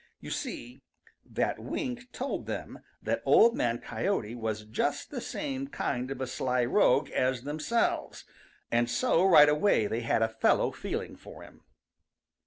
You see, that wink told them that Old Man Coyote was just the same kind of a sly rogue as themselves, and so right away they had a fellow feeling for him.